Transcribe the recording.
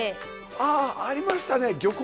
あありましたね漁港！